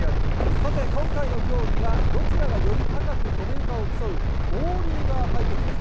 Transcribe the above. さて、今回の競技は、どちらがより高く跳べるかを競うオーリーバー対決です。